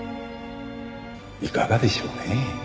いかがでしょうねえ？